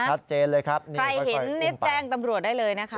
ชัดเจนเลยครับนี่ใครเห็นนี่แจ้งตำรวจได้เลยนะคะ